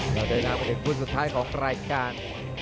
เราเดินไปเป็นพูดสุดท้ายของรายการ